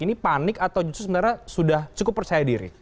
ini panik atau justru sebenarnya sudah cukup percaya diri